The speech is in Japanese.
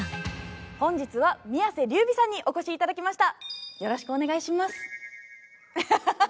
本日は宮世琉弥さんにお越しいただきました。